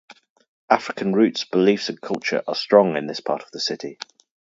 African roots, beliefs, and culture are strong in this part of the city.